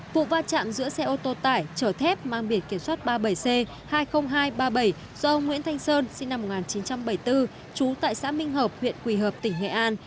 vụ va chạm giữa xe ô tô tải chở thép mang biển kiểm soát ba mươi bảy c hai mươi nghìn hai trăm ba mươi bảy do ông nguyễn thanh sơn sinh năm một nghìn chín trăm bảy mươi bốn trú tại xã minh hợp huyện quỳ hợp tỉnh nghệ an